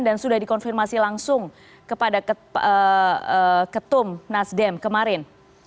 dan sudah dikonfirmasi langsung kepada ketum nasdem kemarin